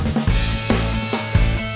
no sev ramadan